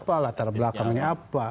alat belakangnya apa